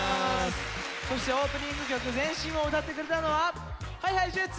そしてオープニング曲「ＺＥＮＳＨＩＮ」を歌ってくれたのはＨｉＨｉＪｅｔｓ！